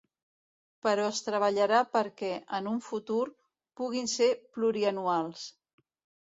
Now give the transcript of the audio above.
Però es treballarà perquè, en un futur, puguin ser plurianuals.